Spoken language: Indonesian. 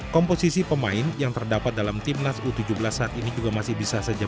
komposisi pemain yang terdapat dalam timnas u tujuh belas saat ini juga masih bisa saja